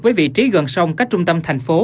với vị trí gần sông cách trung tâm thành phố